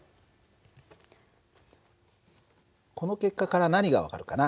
この結果から何が分かるかな？